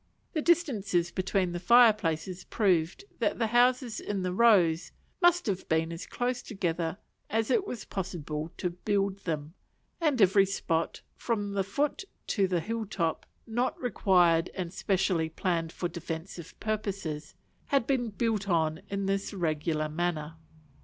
The distances between the fire places proved that the houses in the rows must have been as close together as it was possible to build them; and every spot, from the foot to the hill top, not required and specially planned for defensive purposes, had been built on in this regular manner.